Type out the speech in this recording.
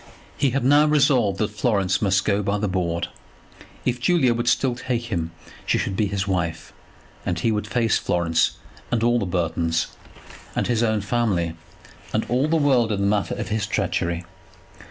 He had now resolved that Florence must go by the board. If Julia would still take him she should be his wife, and he would face Florence and all the Burtons, and his own family, and all the world in the matter of his treachery.